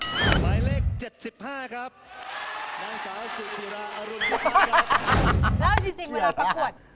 แล้วจริ่นเวลาประกวด